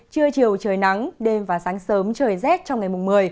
trưa chiều trời nắng đêm và sáng sớm trời rét trong ngày mùng một mươi